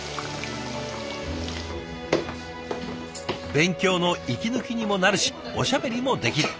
勉強の息抜きにもなるしおしゃべりもできる。